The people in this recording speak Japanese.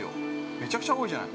めちゃめちゃ青いじゃない。